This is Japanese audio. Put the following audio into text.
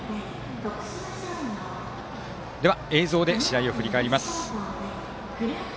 では、映像で試合を振り返ります。